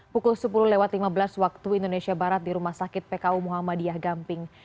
pukul sepuluh lewat lima belas waktu indonesia barat di rumah sakit pku muhammadiyah gamping